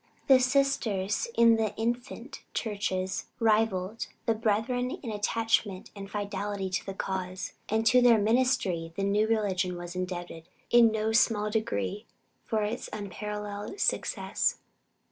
The 'sisters' in the infant churches rivalled the brethren in attachment and fidelity to the cause, and to their "ministry" the new religion was indebted in no small degree for its unparalleled success.